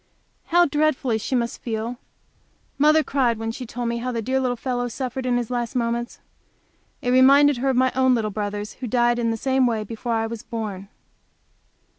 How dreadfully she must feel! Mother cried when she told me how the dear little fellow suffered in his last moments. It reminded her of my little brothers who died in the same way, just before I was born.